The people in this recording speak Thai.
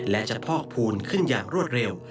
และจะพอกภูมิขึ้นอย่างรวดเร็ว